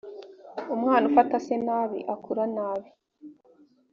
umwana ufata se nabi akura nabi.